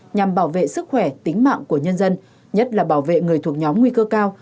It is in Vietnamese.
nhằm bảo vệ sức khỏe tính mạng của nhân dân nhất là bảo vệ người thuộc nhóm nguy cơ cao